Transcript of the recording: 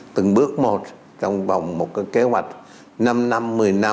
từng bước một trong vòng một kế hoạch năm năm một mươi năm